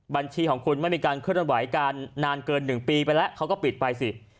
บัญชีของคุณไม่มีการเคลื่อนไหวการนานเกิน๑ปีไปแล้วเขาก็ปิดไปสิ